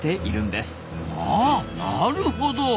あなるほど！